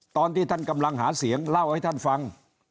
ตอนที่ท่านกำลังหาเสียงเล่าให้ท่านฟัง